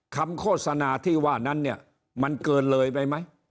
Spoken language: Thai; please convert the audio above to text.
โฆษณาที่ว่านั้นเนี่ยมันเกินเลยไปไหม